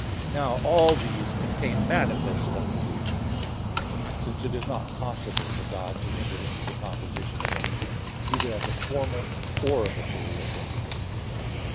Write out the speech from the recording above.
Now all these contain manifest untruth; since it is not possible for God to enter into the composition of anything, either as a formal or a material principle.